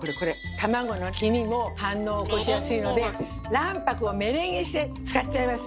卵の黄身も反応を起こしやすいので卵白をメレンゲにして使っちゃいます！